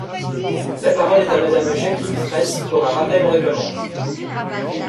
La parole est à Madame Jacqueline Fraysse, pour un rappel au règlement.